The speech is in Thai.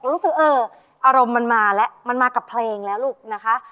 รู้สึกเอออารมณ์มันมาแล้วมันมากับเพลงแล้วลูกนะคะ